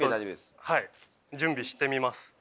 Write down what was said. はい準備してみます。